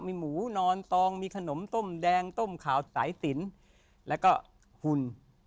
มีหมูนอนตองมีขนมต้มแดงต้มขาวสายสินแล้วก็หุ่น